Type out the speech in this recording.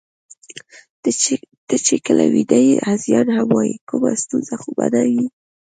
ته چې کله ویده یې، هذیان هم وایې، کومه ستونزه خو به نه وي؟